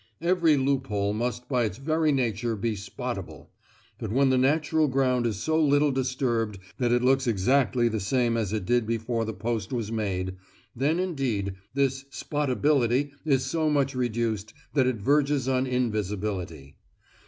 Every loophole must by its very nature be "spottable"; but when the natural ground is so little disturbed that it looks exactly the same as it did before the post was made, then indeed this "spottability" is so much reduced that it verges on invisibility.